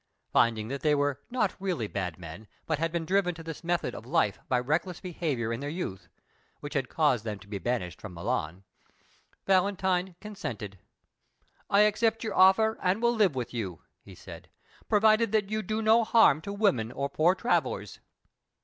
Finding that they were not really bad men, but had been driven to this method of life by reckless behaviour in their youth, which had caused them to be banished from Milan, Valentine consented. "I accept your offer, and will live with you," he said, "provided that you do no harm to women or poor travellers."